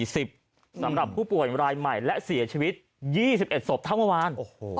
สำหรับผู้ป่วยรายใหม่และเสียชีวิต๒๑ศพเท่าเมื่อวาน